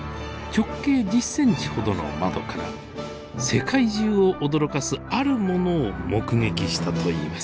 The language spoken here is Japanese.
直径１０ｃｍほどの窓から世界中を驚かすあるものを目撃したといいます。